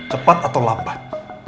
cepat atau lambat